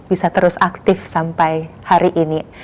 bisa terus aktif sampai hari ini